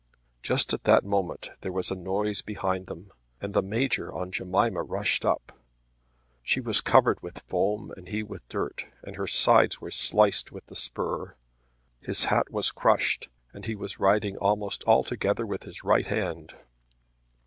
Just at that moment there was a noise behind them and the Major on Jemima rushed up. She was covered with foam and he with dirt, and her sides were sliced with the spur. His hat was crushed, and he was riding almost altogether with his right hand.